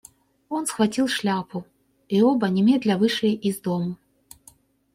Он схватил шляпу, и оба немедля вышли из дому.